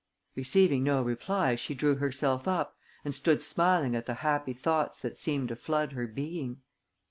Receiving no reply, she drew herself up and stood smiling at the happy thoughts that seemed to flood her being.